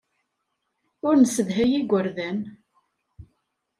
Ur nessedhay igerdan.